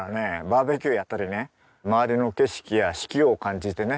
バーベキューやったりね周りの景色や四季を感じてね。